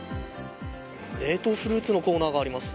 冷凍フルーツのコーナーがあります。